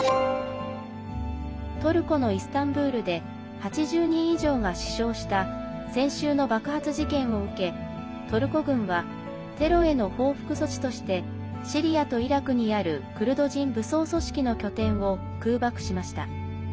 トルコのイスタンブールで８０人以上が死傷した先週の爆発事件を受けトルコ軍はテロへの報復措置としてシリアとイラクにあるクルド人武装組織の拠点を空爆しました。